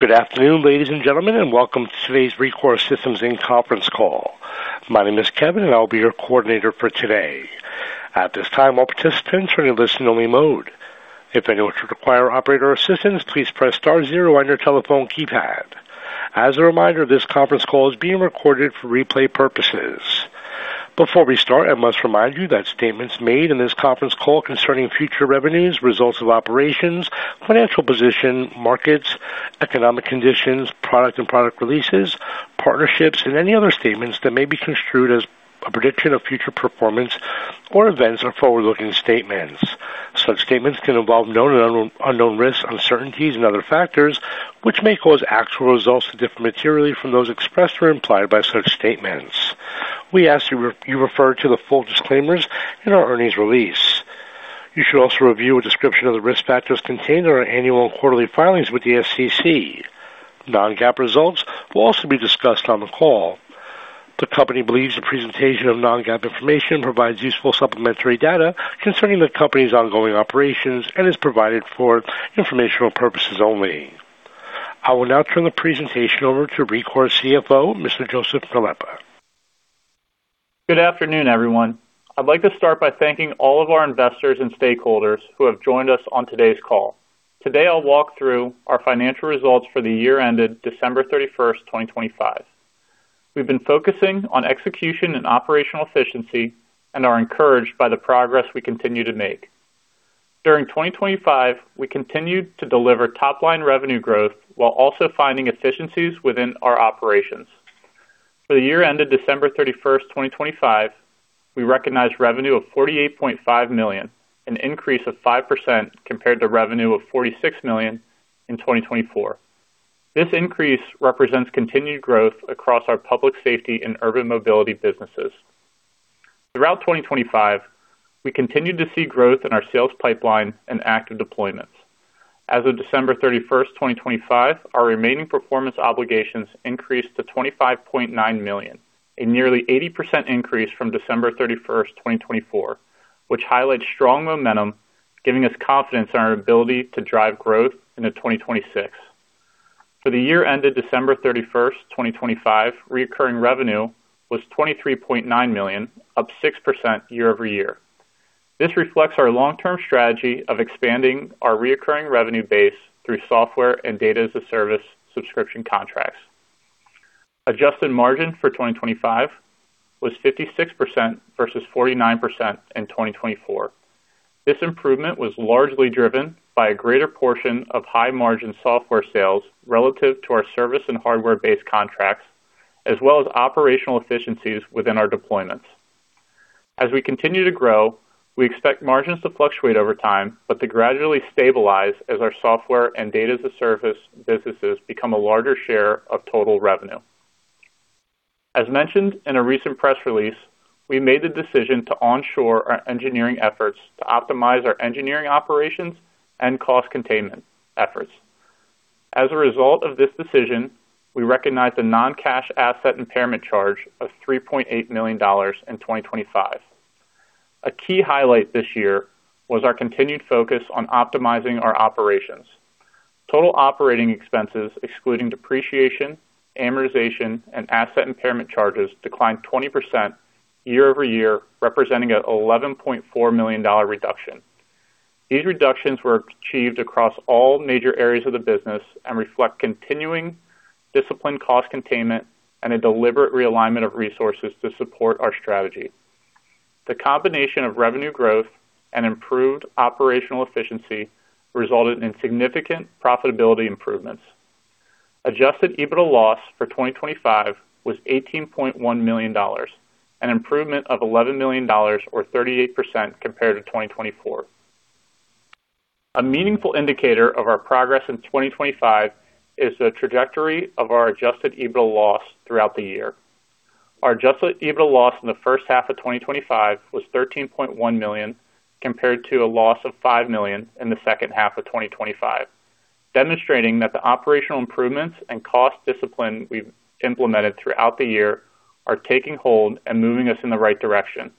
Good afternoon, ladies and gentlemen, and welcome to today's Rekor Systems, Inc. Conference Call. My name is Kevin and I'll be your coordinator for today. At this time, all participants are in listen-only mode. If anyone should require operator assistance, please press star zero on your telephone keypad. As a reminder, this Conference Call is being recorded for replay purposes. Before we start, I must remind you that statements made in this Conference Call concerning future revenues, results of operations, financial position, markets, economic conditions, product and product releases, partnerships, and any other statements that may be construed as a prediction of future performance or events are forward-looking statements. Such statements can involve known and unknown risks, uncertainties, and other factors which may cause actual results to differ materially from those expressed or implied by such statements. We ask you to refer to the full disclaimers in our earnings release. You should also review a description of the risk factors contained in our annual quarterly filings with the SEC. Non-GAAP results will also be discussed on the call. The company believes the presentation of non-GAAP information provides useful supplementary data concerning the company's ongoing operations and is provided for informational purposes only. I will now turn the presentation over to Rekor CFO, Mr. Joseph Nalepa. Good afternoon, everyone. I'd like to start by thanking all of our investors and stakeholders who have joined us on today's call. Today, I'll walk through our financial results for the year ended December 31, 2025. We've been focusing on execution and operational efficiency and are encouraged by the progress we continue to make. During 2025, we continued to deliver top-line revenue growth while also finding efficiencies within our operations. For the year ended December 31, 2025, we recognized revenue of $48.5 million, an increase of 5% compared to revenue of $46 million in 2024. This increase represents continued growth across our public safety and urban mobility businesses. Throughout 2025, we continued to see growth in our sales pipeline and active deployments. As of December 31, 2025, our remaining performance obligations increased to $25.9 million, a nearly 80% increase from December 31, 2024, which highlights strong momentum, giving us confidence in our ability to drive growth into 2026. For the year ended December 31, 2025, recurring revenue was $23.9 million, up 6% year-over-year. This reflects our long-term strategy of expanding our recurring revenue base through software and data as a service subscription contracts. Adjusted margin for 2025 was 56% versus 49% in 2024. This improvement was largely driven by a greater portion of high-margin software sales relative to our service and hardware-based contracts, as well as operational efficiencies within our deployments. As we continue to grow, we expect margins to fluctuate over time, but to gradually stabilize as our software and data as a service businesses become a larger share of total revenue. As mentioned in a recent press release, we made the decision to onshore our engineering efforts to optimize our engineering operations and cost containment efforts. As a result of this decision, we recognized a non-cash asset impairment charge of $3.8 million in 2025. A key highlight this year was our continued focus on optimizing our operations. Total operating expenses, excluding depreciation, amortization, and asset impairment charges, declined 20% year-over-year, representing an $11.4 million reduction. These reductions were achieved across all major areas of the business and reflect continuing disciplined cost containment and a deliberate realignment of resources to support our strategy. The combination of revenue growth and improved operational efficiency resulted in significant profitability improvements. Adjusted EBITDA loss for 2025 was $18.1 million, an improvement of $11 million or 38% compared to 2024. A meaningful indicator of our progress in 2025 is the trajectory of our adjusted EBITDA loss throughout the year. Our adjusted EBITDA loss in the first half of 2025 was $13.1 million, compared to a loss of $5 million in the second half of 2025, demonstrating that the operational improvements and cost discipline we've implemented throughout the year are taking hold and moving us in the right direction.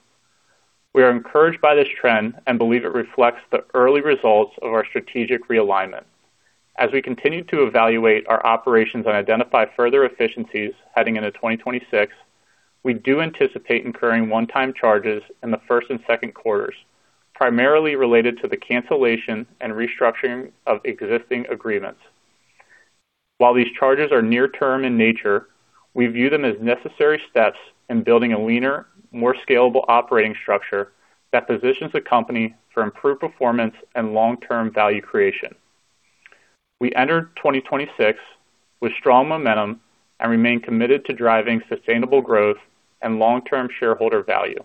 We are encouraged by this trend and believe it reflects the early results of our strategic realignment. As we continue to evaluate our operations and identify further efficiencies heading into 2026, we do anticipate incurring one-time charges in the Q1 and Q2, primarily related to the cancellation and restructuring of existing agreements. While these charges are near-term in nature, we view them as necessary steps in building a leaner, more scalable operating structure that positions the company for improved performance and long-term value creation. We entered 2026 with strong momentum and remain committed to driving sustainable growth and long-term shareholder value.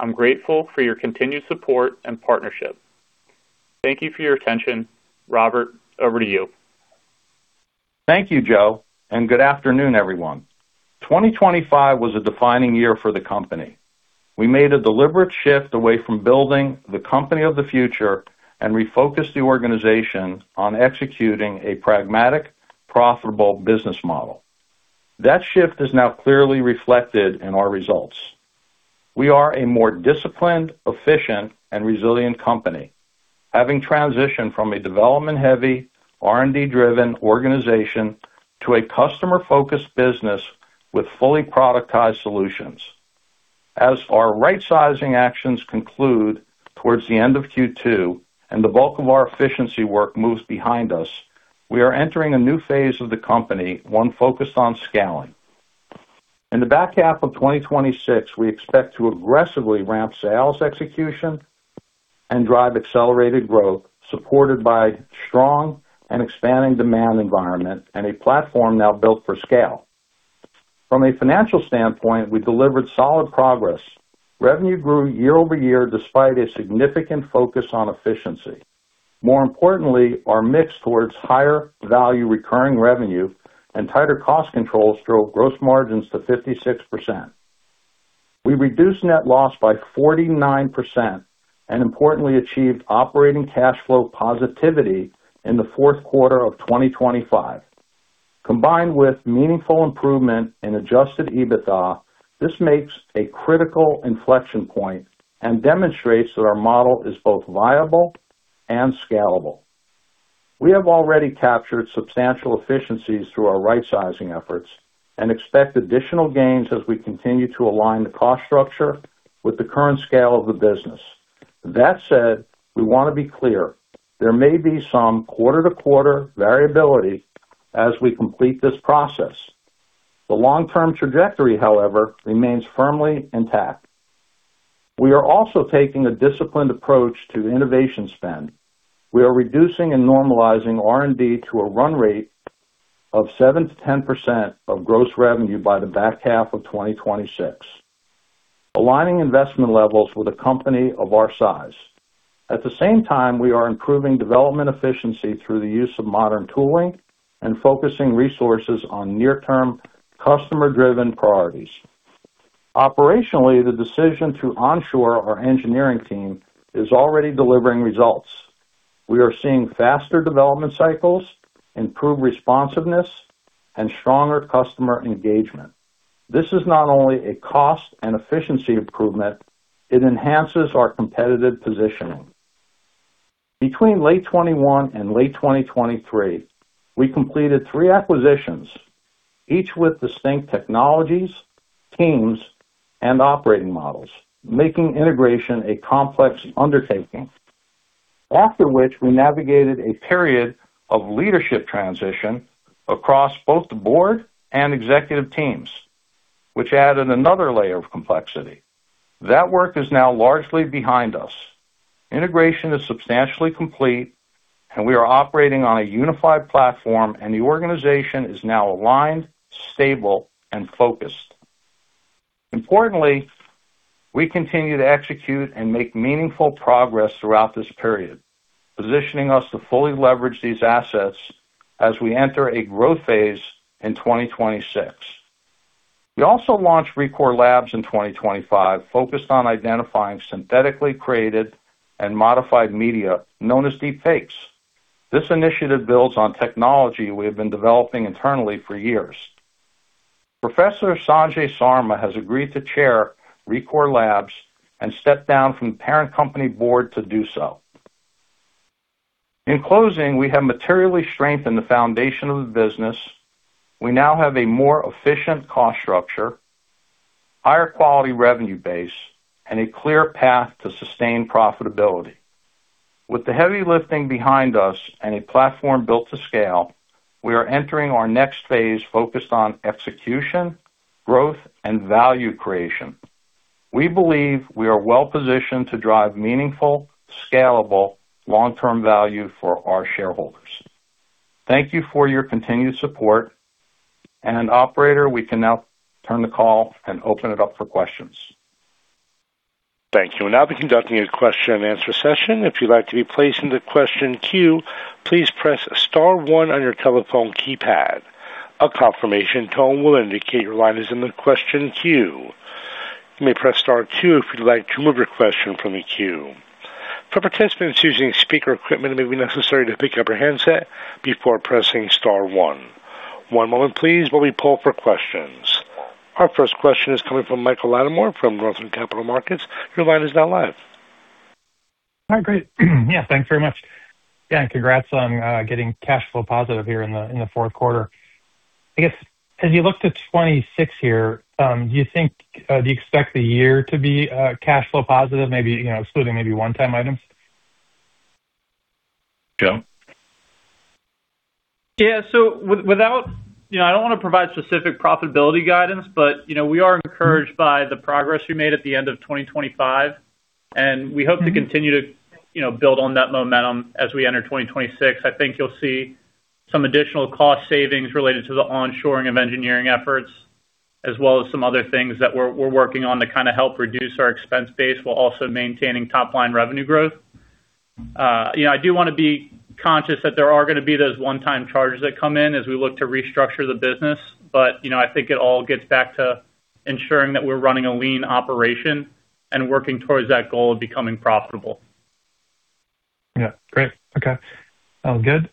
I'm grateful for your continued support and partnership. Thank you for your attention. Robert, over to you. Thank you, Joe, and good afternoon, everyone. 2025 was a defining year for the company. We made a deliberate shift away from building the company of the future and refocused the organization on executing a pragmatic, profitable business model. That shift is now clearly reflected in our results. We are a more disciplined, efficient and resilient company, having transitioned from a development-heavy R&D-driven organization to a customer-focused business with fully productized solutions. As our rightsizing actions conclude towards the end of Q2 and the bulk of our efficiency work moves behind us, we are entering a new phase of the company, one focused on scaling. In the back half of 2026, we expect to aggressively ramp sales execution and drive accelerated growth, supported by strong and expanding demand environment and a platform now built for scale. From a financial standpoint, we delivered solid progress. Revenue grew year-over-year despite a significant focus on efficiency. More importantly, our mix towards higher-value recurring revenue and tighter cost controls drove gross margins to 56%. We reduced net loss by 49% and importantly achieved operating cash flow positivity in the Q4 2025. Combined with meaningful improvement in adjusted EBITDA, this makes a critical inflection point and demonstrates that our model is both viable and scalable. We have already captured substantial efficiencies through our rightsizing efforts and expect additional gains as we continue to align the cost structure with the current scale of the business. That said, we want to be clear there may be some quarter-to-quarter variability as we complete this process. The long-term trajectory, however, remains firmly intact. We are also taking a disciplined approach to innovation spend. We are reducing and normalizing R&D to a run rate of 7%-10% of gross revenue by the back half of 2026, aligning investment levels with a company of our size. At the same time, we are improving development efficiency through the use of modern tooling and focusing resources on near-term customer-driven priorities. Operationally, the decision to onshore our engineering team is already delivering results. We are seeing faster development cycles, improved responsiveness, and stronger customer engagement. This is not only a cost and efficiency improvement, it enhances our competitive positioning. Between late 2021 and late 2023, we completed three acquisitions, each with distinct technologies, teams, and operating models, making integration a complex undertaking. After which we navigated a period of leadership transition across both the board and executive teams, which added another layer of complexity. That work is now largely behind us. Integration is substantially complete and we are operating on a unified platform and the organization is now aligned, stable and focused. Importantly, we continue to execute and make meaningful progress throughout this period, positioning us to fully leverage these assets as we enter a growth phase in 2026. We also launched Rekor Labs in 2025, focused on identifying synthetically created and modified media known as deepfakes. This initiative builds on technology we have been developing internally for years. Professor Sanjay Sarma has agreed to chair Rekor Labs and stepped down from parent company board to do so. In closing, we have materially strengthened the foundation of the business. We now have a more efficient cost structure, higher-quality revenue base, and a clear path to sustain profitability. With the heavy lifting behind us and a platform built to scale, we are entering our next phase, focused on execution, growth, and value creation. We believe we are well-positioned to drive meaningful, scalable, long-term value for our shareholders. Thank you for your continued support. Operator, we can now turn the call and open it up for questions. Thank you. We'll now be conducting a question-and-answer session. If you'd like to be placed in the question queue, please press star one on your telephone keypad. A confirmation tone will indicate your line is in the question queue. You may press star two if you'd like to remove your question from the queue. For participants using speaker equipment, it may be necessary to pick up your handset before pressing star one. One moment please while we poll for questions. Our first question is coming from Michael Latimore from Northland Capital Markets. Your line is now live. Hi, great. Yeah, thanks very much. Congrats on getting cash flow positive here in the Q4. I guess as you look to 2026 here, do you expect the year to be cash flow positive? Maybe, you know, excluding maybe one-time items. Joe? You know, I don't want to provide specific profitability guidance, but, you know, we are encouraged by the progress we made at the end of 2025, and we hope to continue to, you know, build on that momentum as we enter 2026. I think you'll see some additional cost savings related to the onshoring of engineering efforts, as well as some other things that we're working on to kind of help reduce our expense base while also maintaining top-line revenue growth. You know, I do want to be conscious that there are gonna be those one-time charges that come in as we look to restructure the business. You know, I think it all gets back to ensuring that we're running a lean operation and working towards that goal of becoming profitable. Yeah. Great. Okay. Sounds good.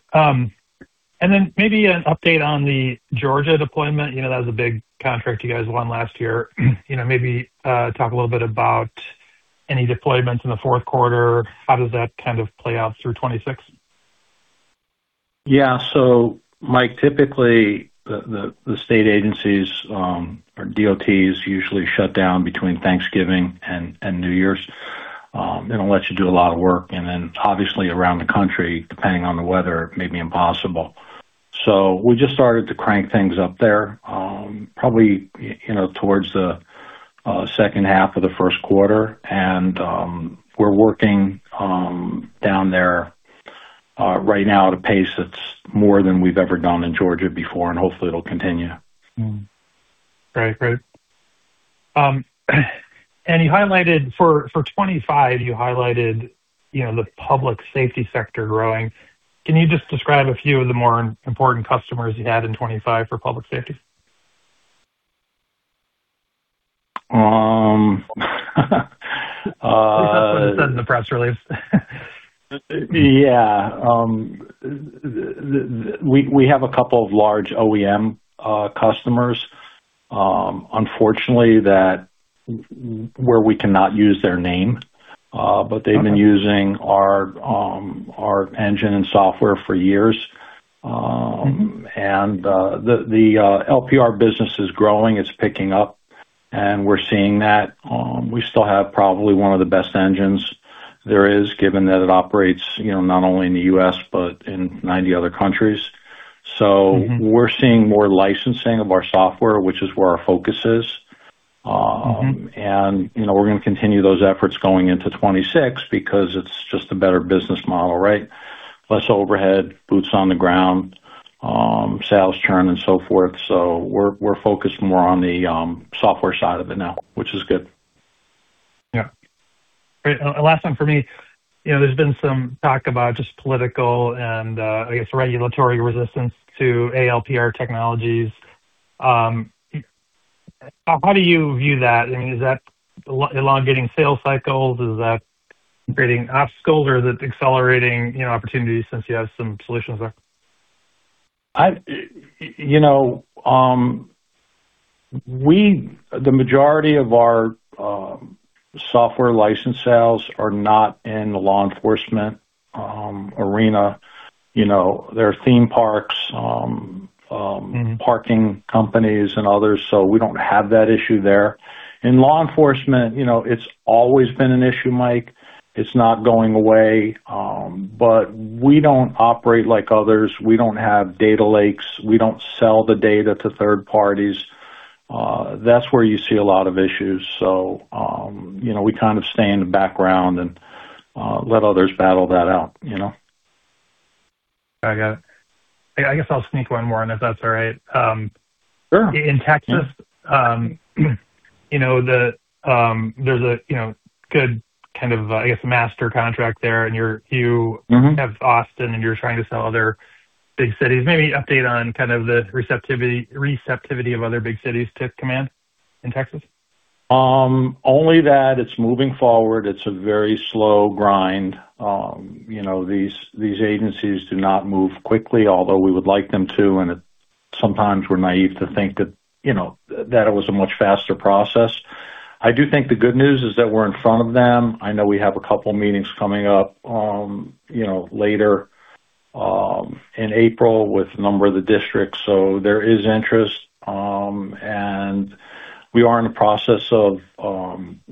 Maybe an update on the Georgia deployment. You know, that was a big contract you guys won last year. You know, maybe talk a little bit about any deployments in the Q4. How does that kind of play out through 2026? Yeah. Mike, typically the state agencies or DOTs usually shut down between Thanksgiving and New Year's. It'll let you do a lot of work and then obviously around the country, depending on the weather, it may be impossible. We just started to crank things up there, probably, you know, towards the second half of the Q1. We're working down there right now at a pace that's more than we've ever done in Georgia before, and hopefully it'll continue. Great. You highlighted for 2025, you know, the public safety sector growing. Can you just describe a few of the more important customers you had in 2025 for public safety? Um. Uh. That's what it said in the press release. Yeah. We have a couple of large OEM customers. Unfortunately, that's where we cannot use their name. But they've been using our engine and software for years. The LPR business is growing. It's picking up, and we're seeing that. We still have probably one of the best engines there is, given that it operates, you know, not only in the U.S., but in 90 other countries. We're seeing more licensing of our software, which is where our focus is. You know, we're gonna continue those efforts going into 2026 because it's just a better business model, right? Less overhead, boots on the ground, sales churn and so forth. We're focused more on the software side of it now, which is good. Yeah. Great. Last one for me. You know, there's been some talk about just political and, I guess regulatory resistance to ALPR technologies. How do you view that? I mean, is that elongating sales cycles? Is that creating obstacles or is it accelerating, you know, opportunities since you have some solutions there? You know, the majority of our software license sales are not in the law enforcement arena. You know, there are theme parks, parking companies and others, so we don't have that issue there. In law enforcement, you know, it's always been an issue, Mike. It's not going away. We don't operate like others. We don't have data lakes. We don't sell the data to third parties. That's where you see a lot of issues. You know, we kind of stay in the background and let others battle that out, you know? I got it. I guess I'll sneak one more in, if that's all right. Sure. In Texas, you know, there's a good kind of, I guess, master contract there, and you have Austin and you're trying to sell other big cities. Maybe update on kind of the receptivity of other big cities to Command in Texas. Only that it's moving forward. It's a very slow grind. You know, these agencies do not move quickly, although we would like them to, and sometimes we're naive to think that, you know, that it was a much faster process. I do think the good news is that we're in front of them. I know we have a couple of meetings coming up, you know, later in April with a number of the districts. There is interest, and we are in the process of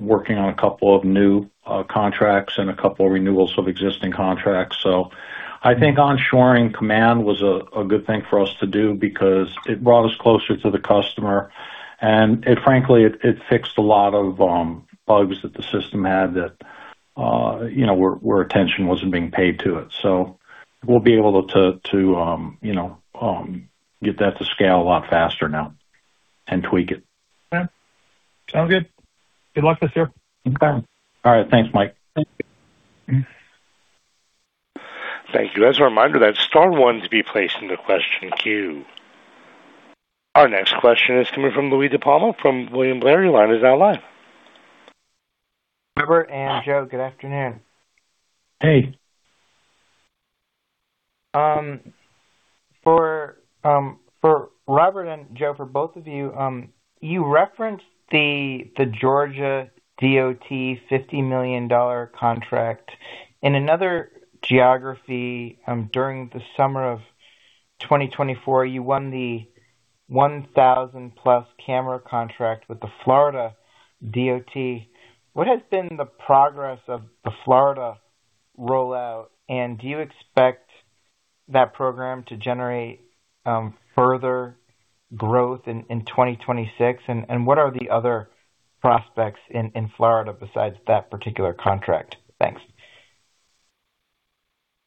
working on a couple of new contracts and a couple renewals of existing contracts. I think onshoring Command was a good thing for us to do because it brought us closer to the customer, and it frankly fixed a lot of bugs that the system had that you know where attention wasn't being paid to it. We'll be able to get that to scale a lot faster now and tweak it. Yeah. Sounds good. Good luck this year. Okay. All right. Thanks, Mike. Thank you. Thank you. As a reminder, that's star one to be placed into question queue. Our next question is coming from Louie DiPalma from William Blair. Your line is now live. Robert and Joe, good afternoon. Hey. For Robert and Joe, you referenced the Georgia DOT $50 million contract. In another geography, during the summer of 2024, you won the 1,000+ camera contract with the Florida DOT. What has been the progress of the Florida rollout, and do you expect that program to generate further growth in 2026? What are the other prospects in Florida besides that particular contract? Thanks.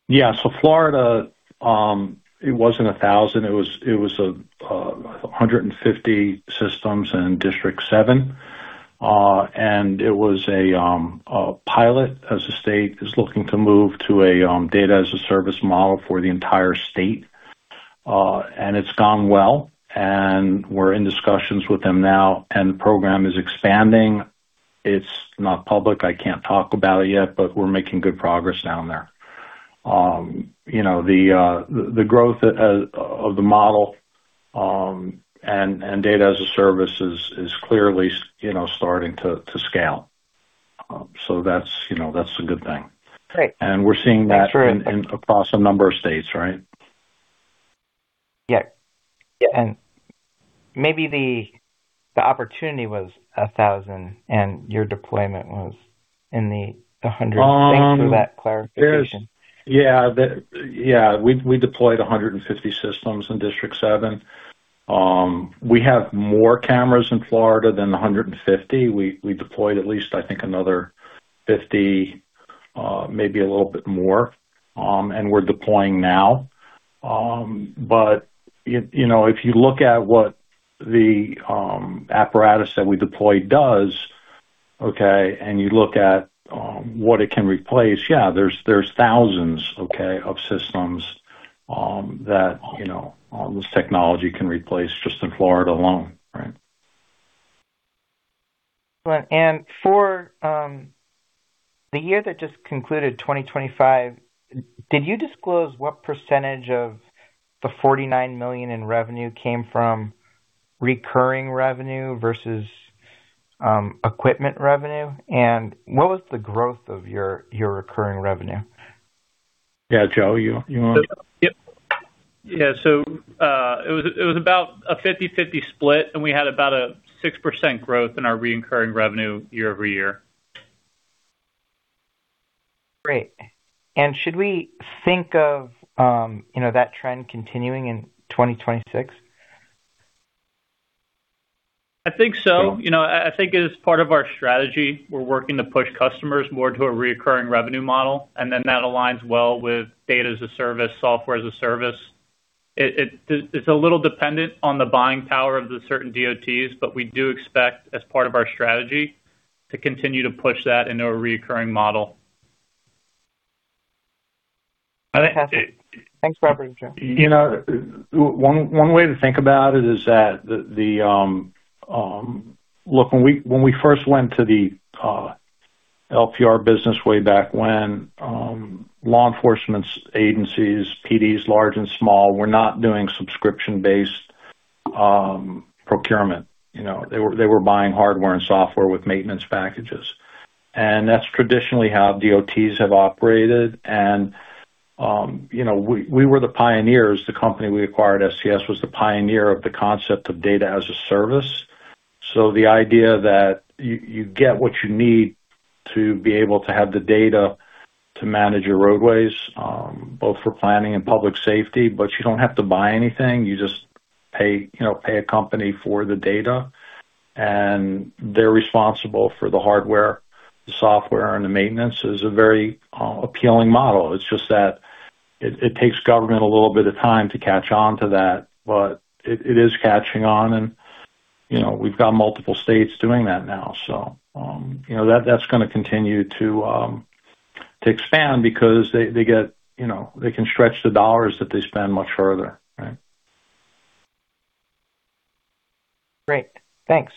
Yeah. Florida, it wasn't 1,000, it was 150 systems in District Seven. It was a pilot as the state is looking to move to a Data as a Service model for the entire state. It's gone well, and we're in discussions with them now, and the program is expanding. It's not public. I can't talk about it yet, but we're making good progress down there. You know, the growth of the model and Data as a Service is clearly starting to scale. That's a good thing. Great. We're seeing that. Make sure- Across a number of states, right? Yeah. Yeah. Maybe the opportunity was 1,000 and your deployment was in the hundreds. Thanks for that clarification. We deployed 150 systems in District Seven. We have more cameras in Florida than the 150. We deployed at least, I think another 50, maybe a little bit more, and we're deploying now. You know, if you look at what the apparatus that we deployed does, okay, and you look at what it can replace, yeah, there's thousands, okay, of systems that you know, all this technology can replace just in Florida alone, right? Right. For the year that just concluded, 2025, did you disclose what percentage of the $49 million in revenue came from recurring revenue versus equipment revenue? What was the growth of your recurring revenue? Yeah. Joe, you want to- Yeah. It was about a 50/50 split, and we had about a 6% growth in our recurring revenue year-over-year. Great. Should we think of, you know, that trend continuing in 2026? I think so. You know, I think it is part of our strategy. We're working to push customers more to a recurring revenue model, and then that aligns well with data as a service, software as a service. It's a little dependent on the buying power of the certain DOTs, but we do expect as part of our strategy to continue to push that into a recurring model. I think it- Thanks, Robert and Joe. You know, one way to think about it is that the... Look, when we first went to the LPR business way back when, law enforcement agencies, PDs, large and small, were not doing subscription-based procurement. You know, they were buying hardware and software with maintenance packages. That's traditionally how DOTs have operated. You know, we were the pioneers. The company we acquired, SCS, was the pioneer of the concept of data as a service. The idea that you get what you need to be able to have the data to manage your roadways, both for planning and public safety, but you don't have to buy anything. You just pay, you know, a company for the data, and they're responsible for the hardware, the software, and the maintenance. It is a very appealing model. It's just that it takes government a little bit of time to catch on to that. It is catching on and, you know, we've got multiple states doing that now. You know, that's gonna continue to expand because they get, you know, they can stretch the dollars that they spend much further, right? Great. Thanks.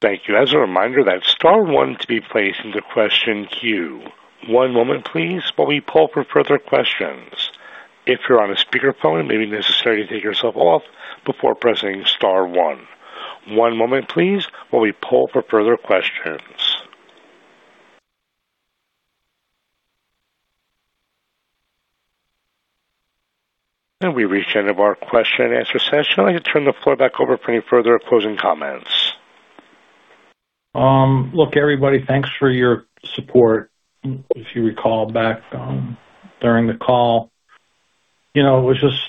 Thank you. As a reminder, that's star one to be placed into question queue. One moment please, while we poll for further questions. If you're on a speakerphone, it may be necessary to take yourself off before pressing star one. One moment please, while we poll for further questions. We've reached the end of our question and answer session. I'd like to turn the floor back over for any further closing comments. Look, everybody, thanks for your support. If you recall back, during the call, you know, it was just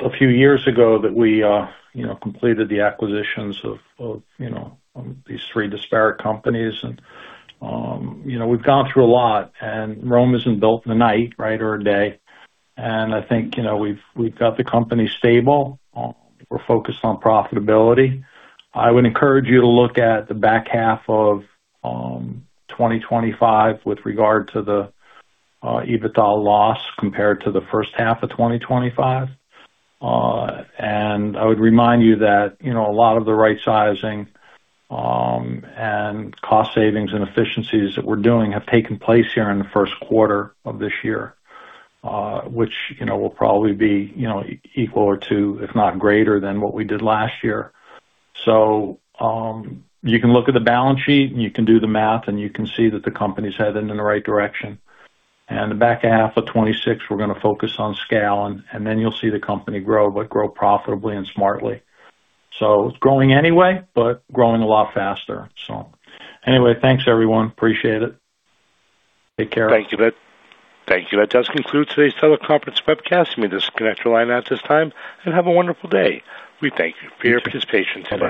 a few years ago that we, you know, completed the acquisitions of these three disparate companies and, you know, we've gone through a lot, and Rome isn't built in a night, right, or a day. I think, you know, we've got the company stable. We're focused on profitability. I would encourage you to look at the back half of 2025 with regard to the EBITDA loss compared to the first half of 2025. I would remind you that, you know, a lot of the right sizing, and cost savings and efficiencies that we're doing have taken place here in the Q1 of this year, which, you know, will probably be, you know, equal to or, if not greater than what we did last year. You can look at the balance sheet, and you can do the math, and you can see that the company's headed in the right direction. The back half of 2026, we're gonna focus on scaling, and then you'll see the company grow but grow profitably and smartly. It's growing anyway, but growing a lot faster. Anyway, thanks, everyone. Appreciate it. Take care. Thank you. That does conclude today's teleconference webcast. You may disconnect your line at this time, and have a wonderful day. We thank you for your participation today.